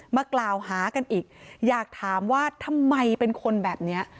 มากล่าวหากันอีกอยากถามว่าทำไมเป็นคนแบบนี้